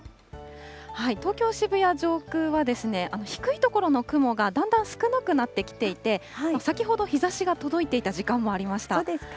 東京・渋谷上空は、低い所の雲がだんだん少なくなってきていて、先ほど、日ざしが届いていた時間もありました。